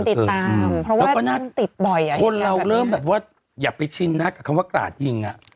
ติดตามเพราะว่าก็น่าติดบ่อยอ่ะคนเราเริ่มแบบว่าอย่าไปชินนะกับคำว่ากราดยิงอ่ะ